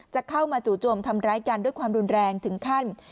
จะเข้ามาจู่โจมทำร้ายกันด้วยความรุนแรงถึงขั้น